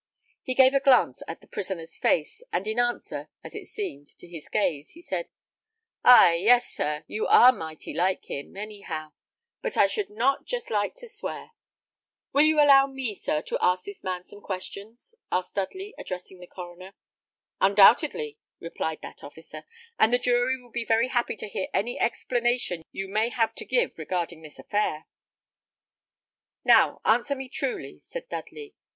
He gave a glance at the prisoner's face, and in answer, as it seemed, to his gaze, he said, "Ay yes, sir, you are mighty like him, any how; but I should not just like to swear." "Will you allow me, sir, to ask this man some questions?" inquired Dudley, addressing the coroner. "Undoubtedly," replied that officer; "and the jury will be very happy to hear any explanation you may have to give regarding this affair." "Now, answer me truly," said Dudley.